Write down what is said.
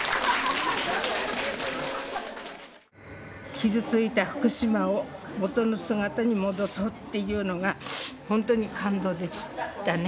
「傷ついた福島をもとの姿にもどそう」っていうのが本当に感動でしたね。